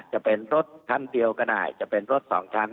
จะเป็นรถชั้นเดียวก็ได้จะเป็นรถสองชั้น